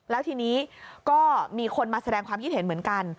แล้วทีนี้ก็มีคนมาแสดงความคิดเห็นเหมือนกัน